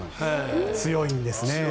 強いんですね。